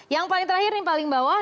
yang paling terakhir ini paling bawah